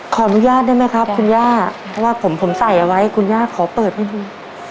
ขออนุญาตได้ไหมครับคุณย่าเพราะว่าผมผมใส่เอาไว้คุณย่าขอเปิดให้ดู